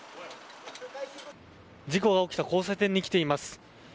事故が起きた交差点に来ています。